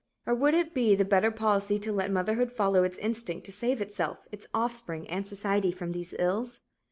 Or would it be the better policy to let motherhood follow its instinct to save itself, its offspring and society from these ills?